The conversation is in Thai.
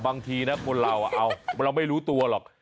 บางทีนะคนเราเราไม่รู้ตัวหรอก